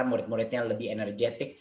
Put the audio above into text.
murid muridnya lebih energetik